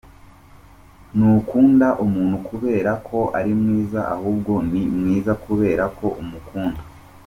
Ntukunda umuntu kubera ko ari mwiza ahubwo ni mwiza kubera ko umukunda.